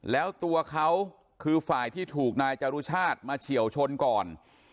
แล้วตัวเขาคือฝ่ายที่ถูกนายจรุชาติมาเฉียวชนก่อน